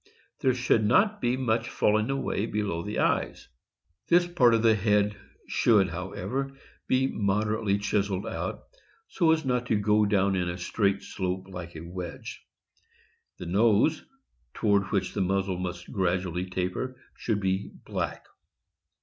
There should not be much falling away below the eyes. This part of the'head should, however, be moderately chis eled out, so as not to go down in a straight slope like a wedge. The nose, toward which the muzzle must gradually taper, should be black.